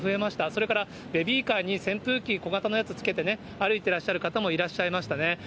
それからベビーカーに扇風機、小型のやつつけてね、歩いてらっしゃる方もいらっしゃいましたね。